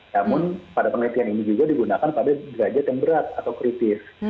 namun pada penelitian ini juga digunakan pada derajat yang berat atau kritis